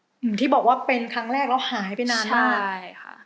อย่างที่บอกว่าเป็นครั้งแรกแล้วหายไปนานมาก